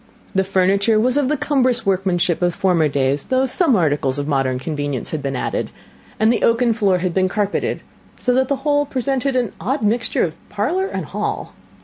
The furniture was of the cumbrous workmanship of former days, though some articles of modern convenience had been added, and the oaken floor had been carpeted; so that the whole presented an odd mixture of parlour and hall.